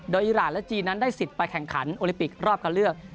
โดยอิราณและจีนนั้นได้สิทธิ์ไปแข่งขันโอลิปิกรอบการเลือก